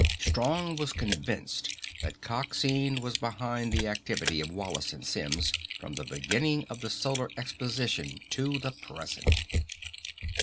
Strong was convinced that Coxine was behind the activity of Wallace and Simms, from the beginning at the Solar Exposition to the present.